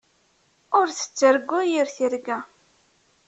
Ur tettargu yir tirga.